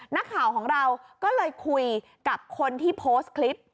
นักข่าวของเราก็เลยคุยกับคนที่โพสต์คลิป